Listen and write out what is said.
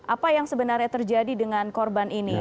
apa yang sebenarnya terjadi dengan korban ini